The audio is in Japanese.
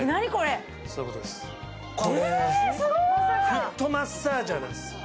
フットマッサージャーです。